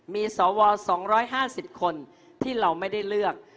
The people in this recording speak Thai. มีสว๒๕๐คนที่เราไม่ได้เลือก